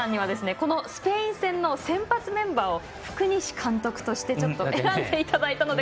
このスペイン戦の先発メンバーを福西監督として選んでいただいたので。